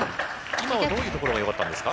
今はどういうところがよかったんですか？